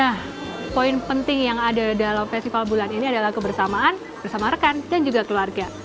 nah poin penting yang ada dalam festival bulan ini adalah kebersamaan bersama rekan dan juga keluarga